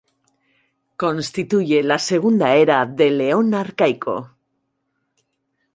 Constituye la segunda era del Eón Arcaico.